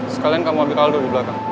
sekalian kamu ambil kaldo di belakang